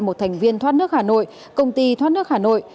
một thành viên thoát nước hà nội công ty thoát nước hà nội